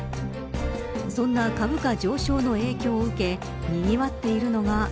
そんな株価上昇の影響を受けにぎわっているのが。